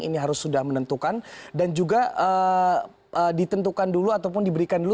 ini harus sudah menentukan dan juga ditentukan dulu ataupun diberikan dulu